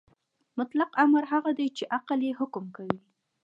مطلق امر هغه څه دی چې عقل یې حکم کوي.